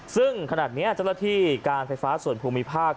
ซึ่งขณะนี้เจ้าหน้าที่การไฟฟ้าส่วนภูมิภาค